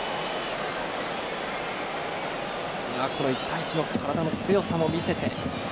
この１対１の体の強さも見せて。